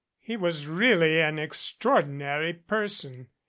He was really an extraordinary person.